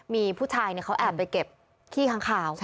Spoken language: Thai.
มีผู้ชายเขาแอบไปเก็บขี้ค้างคาว